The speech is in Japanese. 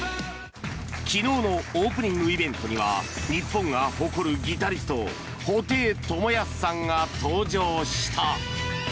昨日のオープニングイベントには日本が誇るギタリスト布袋寅泰さんが登場した。